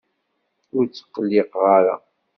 Ur tqelliq ara!